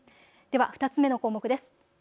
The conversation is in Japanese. では２つ目の項目です。